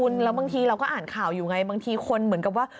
แล้วบางทีเราก็อ่านข่าวอยู่ไงบางทีคนเหมือนกับว่า